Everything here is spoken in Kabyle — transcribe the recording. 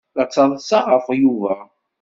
La ttaḍsaɣ ɣef Yuba.